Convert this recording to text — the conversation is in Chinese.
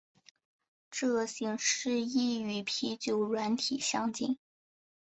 这形式亦与啤酒软体相近。